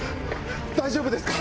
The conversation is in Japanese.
大丈夫ですか？